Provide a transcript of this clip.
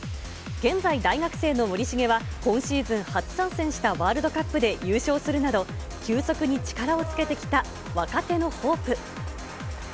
現在、大学生の森重は、今シーズン初参戦したワールドカップで優勝するなど、急速に力をつけてきた若手のホープ。